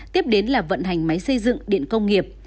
tiếp đến là vận hành máy xây dựng điện công nghiệp